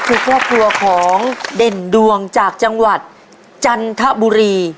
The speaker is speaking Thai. คือครอบครัวของเด่นดวงจากจังหวัดจันทบุรี